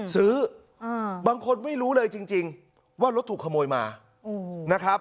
ซื้อบางคนไม่รู้เลยจริงว่ารถถูกขโมยมานะครับ